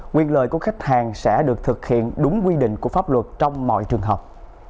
nguyên lời của khách hàng sẽ được thực hiện đúng quy định của pháp luật trong mọi trường hợp